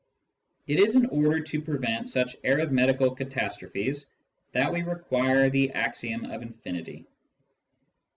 It is in order to prevent such arithmetical catastrophes that we require the axiom of infinity.